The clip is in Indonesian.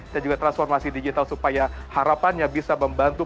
dan juga transformasi digital supaya harapannya bisa membantu